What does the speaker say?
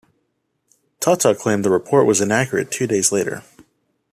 Tata claimed the report was inaccurate two days later.